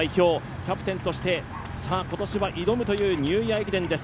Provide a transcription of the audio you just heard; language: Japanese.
キャプテンとして今年は挑むというニューイヤー駅伝です。